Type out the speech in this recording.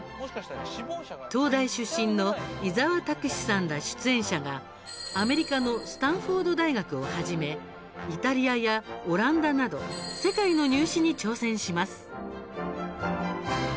東大出身の伊沢拓司さんら出演者がアメリカのスタンフォード大学をはじめイタリアやオランダなど世界の入試に挑戦します。